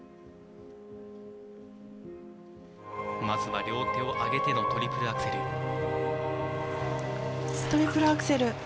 まずは両手を挙げてのトリプルアクセル。